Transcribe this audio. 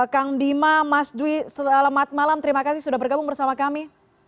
kang bima mas dwi selamat malam terima kasih sudah bergabung bersama kami